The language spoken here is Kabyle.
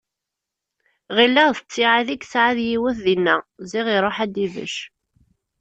Ɣilleɣ d ttiɛad i yesɛa d yiwet dinna, ziɣ iruḥ ad d-ibecc.